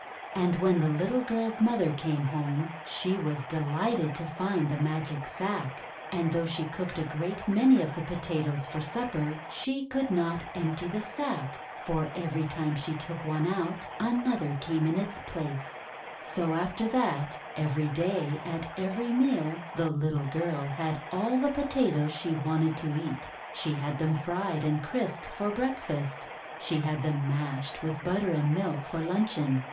And when the little girl's mother came home, she was delighted to find the Magic Sack. And though she cooked a great many of the Pota toes for supper, she could not empty the sack, for every time she took one out another came in its place. THE DUCK FEATHER MAN 353 So after that, every day at every meal, the little girl had all the Potatoes she wanted to eat. She had them fried and crisp for breakfast. She had them mashed with butter and milk for luncheon.